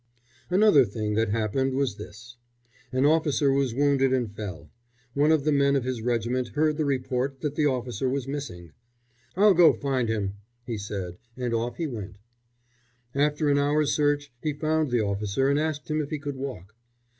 Another thing that happened was this: An officer was wounded and fell. One of the men of his regiment heard the report that the officer was missing. "I'll go and find him," he said, and off he went. After an hour's search he found the officer and asked him if he could walk.